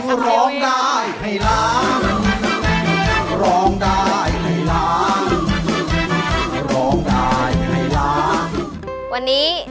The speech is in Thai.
หนูรู้สึกดีมากเลยค่ะ